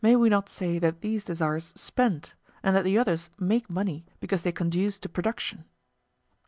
May we not say that these desires spend, and that the others make money because they conduce to production?